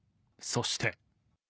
そして。